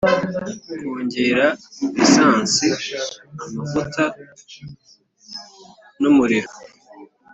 kongera lisansi (amavuta) numuriro